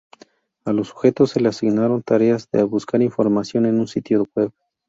A los sujetos se le asignaron tareas de buscar información en un sitio web.